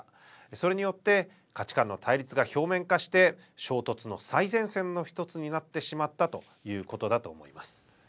それによって価値観の対立が表面化して衝突の最前線の１つになってしまったということだと思います。